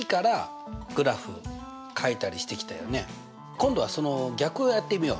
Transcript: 今度はその逆をやってみようと。